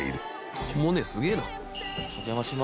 とも姉すげえな。